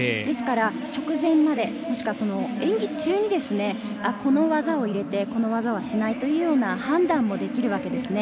直前まで、もしくは演技中にこの技を入れてこの技はしないというような判断もできるわけです。